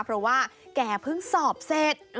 เพราะว่าแกเพิ่งสอบเสร็จ